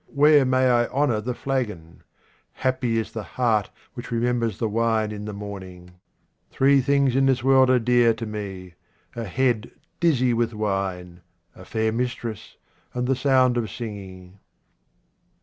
Where may I honour the flagon ? Happy is the heart which re members the wine in the morning. Three 7* QUATRAINS OF OMAR KHAYYAM things in this world are dear to me — a head dizzy with wine, a fair mistress, and the sound of singing.